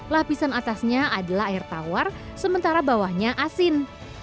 lapisan atasnya adalah air tawar sementara bawahnya asin